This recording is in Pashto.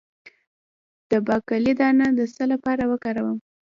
د باقلي دانه د څه لپاره وکاروم؟